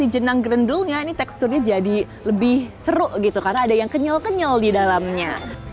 jenang grendulnya ini teksturnya jadi lebih seru gitu karena ada yang kenyal kenyal di dalamnya